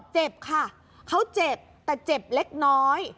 เจ็บค่ะเขาเจ็บแต่เจ็บเล็กน้อย